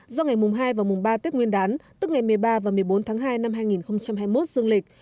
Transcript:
do ngày mùng hai và mùng ba tết nguyên đán tức ngày một mươi ba và một mươi bốn tháng hai năm hai nghìn hai mươi một dương lịch